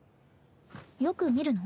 よく見るの？